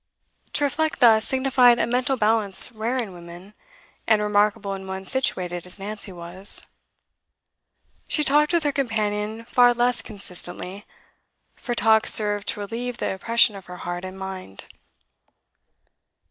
To reflect thus signified a mental balance rare in women, and remarkable in one situated as Nancy was. She talked with her companion far less consistently, for talk served to relieve the oppression of her heart and mind.